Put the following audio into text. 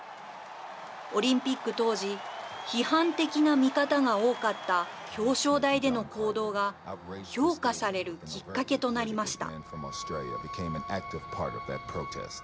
オリンピック当時批判的な見方が多かった表彰台での行動が評価されるきっかけとなりました。